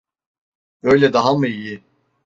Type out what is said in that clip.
Böyle daha mı iyi?